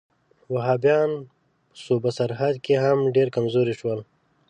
وهابیان په صوبه سرحد کې هم ډېر کمزوري شول.